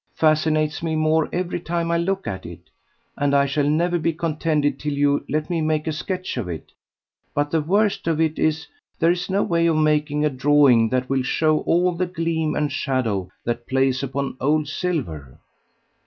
fascinates me more every time I look at it, and I shall never be contented till you let me make a sketch of it; but the worst of it is there is no way of making a drawing that will show all the gleam and shadow that plays upon old silver."